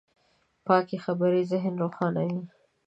پاکې خبرې ذهن روښانوي.